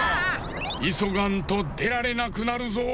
いそがんとでられなくなるぞ！